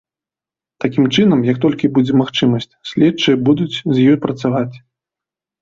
Такім чынам, як толькі будзе магчымасць, следчыя будуць з ёй працаваць.